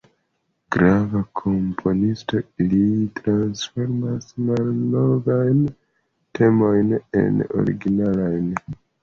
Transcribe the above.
Grava komponisto, li transformas malnovajn temojn en originalajn.